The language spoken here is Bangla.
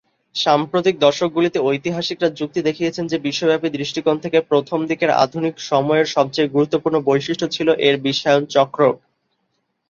সাম্প্রতিক দশকগুলিতে ঐতিহাসিকরা যুক্তি দেখিয়েছেন যে বিশ্বব্যাপী দৃষ্টিকোণ থেকে প্রথম দিকের আধুনিক সময়ের সবচেয়ে গুরুত্বপূর্ণ বৈশিষ্ট্য ছিল এর বিশ্বায়নচক্রক।